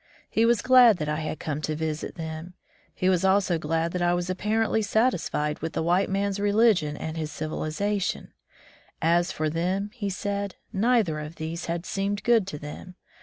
He was glad that I had come to visit them. He was also glad that I was apparently satisfied with the white man's 148 CivUization as Preached and Prax^ised religion and his civilization. As for them, he said, neither of these had seemed good to them.